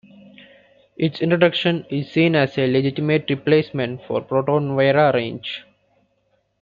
Its introduction is seen as a legitimate replacement for the Proton Wira range.